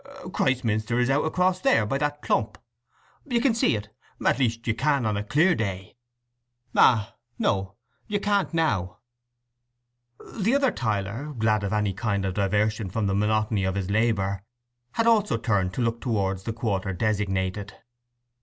"Christminster is out across there, by that clump. You can see it—at least you can on a clear day. Ah, no, you can't now." The other tiler, glad of any kind of diversion from the monotony of his labour, had also turned to look towards the quarter designated.